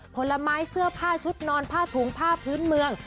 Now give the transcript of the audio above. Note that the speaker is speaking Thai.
ผลไม้เสื้อผ้าชุดนอนผ้าถุงผ้าพื้นเมือง